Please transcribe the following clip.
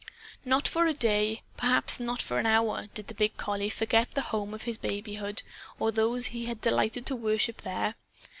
Not for a day, perhaps not for an hour, did the big collie forget the home of his babyhood or those he had delighted to worship, there.